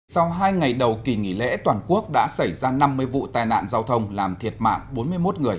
sau hai ngày đầu kỳ nghỉ lễ toàn quốc đã xảy ra năm mươi vụ tai nạn giao thông làm thiệt mạng bốn mươi một người